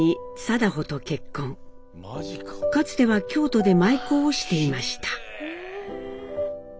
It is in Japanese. かつては京都で舞妓をしていました。